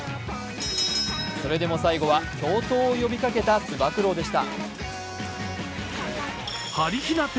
それでも最後は共闘を呼びかけたつば九郎でした。